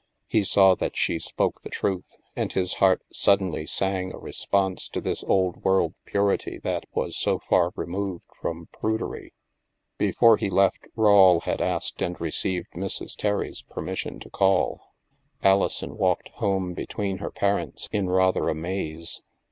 " He saw that she spoke the truth, and his heart suddenly sang a response to this old world purity that was so far removed from prudery. Before he left, Rawle had asked and received Mrs. Terry's permission to call. Alison walked home between her parents in rather a maze.